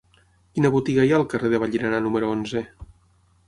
Quina botiga hi ha al carrer de Vallirana número onze?